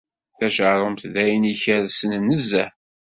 Tajerrumt d ayen ikersen nezzeh.